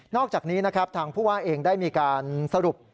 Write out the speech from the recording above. อกจากนี้นะครับทางผู้ว่าเองได้มีการสรุป